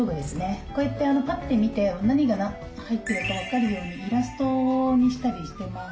こうやってパッて見て何が入ってるか分かるようにイラストにしたりしてます。